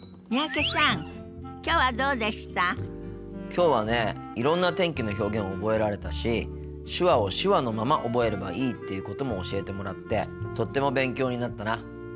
きょうはねいろんな天気の表現覚えられたし手話を手話のまま覚えればいいっていうことも教えてもらってとっても勉強になったな。